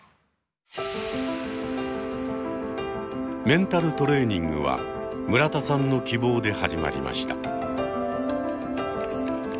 メンタルトレーニングは村田さんの希望で始まりました。